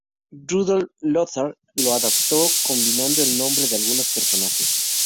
Rudolph Lothar lo adaptó, cambiando el nombre de algunos personajes.